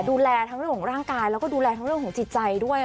ดูแลทั้งเรื่องของร่างกายแล้วก็ดูแลทั้งเรื่องของจิตใจด้วย